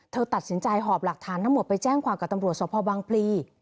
เธอตัดสินใจหอบหลักฐานทั้งหมดไปแจ้งความกับตำรวจสพบังพลี